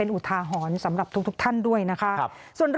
เป็นอุทาหอนสำหรับทุกท่านด้วยนะครับ